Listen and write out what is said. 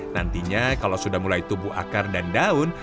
nantinya kalau sudah mulai tubuh akar dan daun